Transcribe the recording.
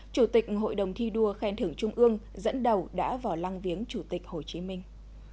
chủ tịch hội đồng thi đua khen thưởng trung ương dẫn đầu đã vào lăng viếng chủ tịch hồ chí minh